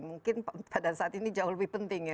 mungkin pada saat ini jauh lebih penting ya